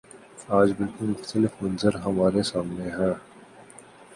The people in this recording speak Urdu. آج بالکل مختلف منظر ہمارے سامنے ہے۔